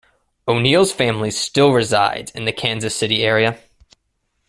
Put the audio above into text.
O'Neal's family still resides in the Kansas City area.